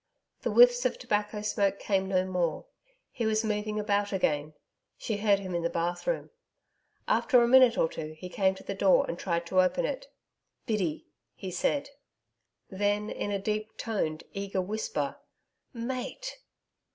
The whiffs of tobacco smoke came no more. He was moving about again. She heard him in the bathroom. After a minute or two he came to the door and tried to open it. 'Biddy,' he said. Then in a deep toned eager whisper, 'Mate!'